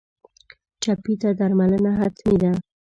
ټپي ته درملنه حتمي ده.